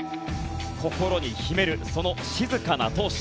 心に秘めるその静かな闘志。